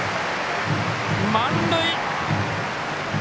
満塁！